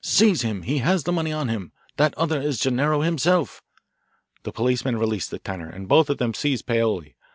Seize him he has the money on him. That other is Gennaro himself." The policeman released the tenor, and both of them seized Paoli.